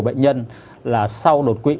bệnh nhân là sau đột quỵ